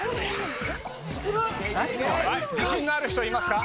はい自信がある人いますか？